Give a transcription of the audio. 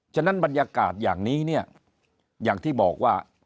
ฉะนั้นบรรยากาศอย่างนี้เนี่ยอย่างที่บอกว่า